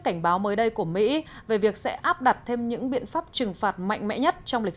cảnh báo mới đây của mỹ về việc sẽ áp đặt thêm những biện pháp trừng phạt mạnh mẽ nhất trong lịch